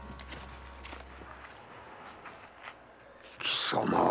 貴様！